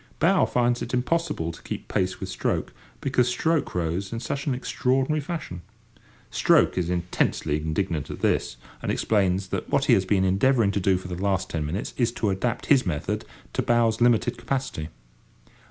Bow finds it impossible to keep pace with stroke, because stroke rows in such an extraordinary fashion. Stroke is intensely indignant at this, and explains that what he has been endeavouring to do for the last ten minutes is to adapt his method to bow's limited capacity.